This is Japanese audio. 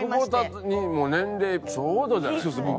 久保田に年齢ちょうどじゃないですか？